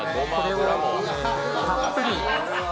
たっぷり。